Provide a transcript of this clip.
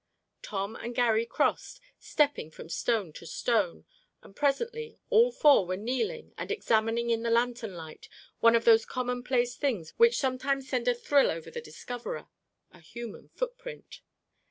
Tom and Garry crossed, stepping from stone to stone, and presently all four were kneeling and examining in the lantern light one of those commonplace things which sometimes send a thrill over the discoverer—a human footprint.